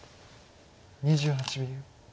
２８秒。